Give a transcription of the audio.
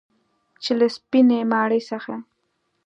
چې له سپینې ماڼۍ څخه